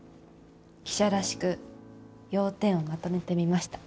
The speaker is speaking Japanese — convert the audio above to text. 記者らしく要点をまとめてみました。